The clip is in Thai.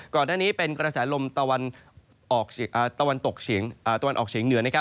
ก่อนหน้านี้เป็นกรณศาลมตะวันออกเฉียงเหนือ